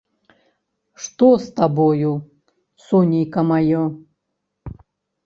Што з табою, сонейка маё?